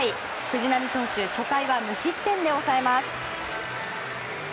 藤浪投手初回は無失点で抑えます。